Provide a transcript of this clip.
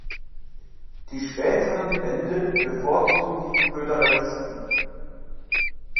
Die späteren Bände bevorzugen die Föderalisten.